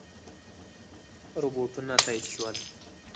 رپوټونه تایید شول.